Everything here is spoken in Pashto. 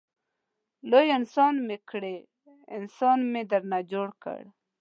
لوی انسان مې کړې انسان مې درنه جوړ کړ.